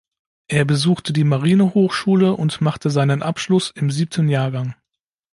Er besuchte die Marinehochschule und machte seinen Abschluss im siebten Jahrgang.